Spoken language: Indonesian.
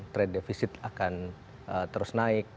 trade defisit akan terus naik